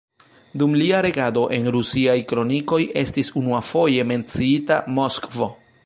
Dum lia regado en rusiaj kronikoj estis unuafoje menciita Moskvo.